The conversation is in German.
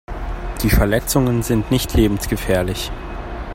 Die Verletzungen sind nicht lebensgefährlich.